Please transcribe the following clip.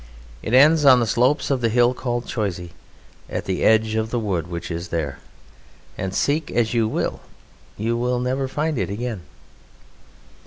It ends on the slopes of the hill called Choisy, at the edge of the wood which is there. And seek as you will, you will never find it again.